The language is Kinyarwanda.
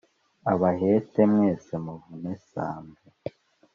abahete mwese muvune sambwe